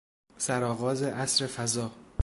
سرآغاز عصر فضا